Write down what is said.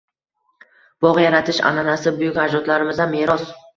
Bog` yaratish an`anasi buyuk ajdodlarimizdan meros